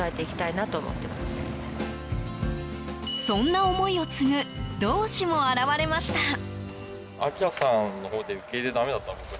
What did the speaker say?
そんな思いを継ぐ同志も現れました。